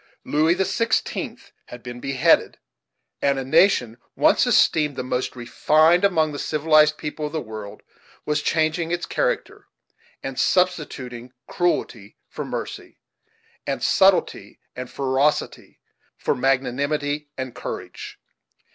Louis the Sixteenth had been beheaded, and a nation once esteemed the most refined among the civilized people of the world was changing its character, and substituting cruelty for mercy, and subtlety and ferocity for magnanimity and courage.